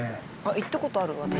行ったことある私